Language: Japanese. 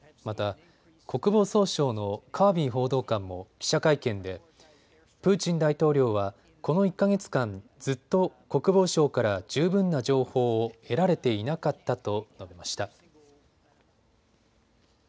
また、国防総省のカービー報道官も記者会見でプーチン大統領はこの１か月間、ずっと国防省から十分な情報を得られていなかったと述べました。